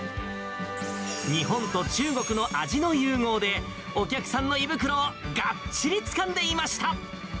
日本と中国の味の融合で、お客さんの胃袋をがっちりつかんでいました。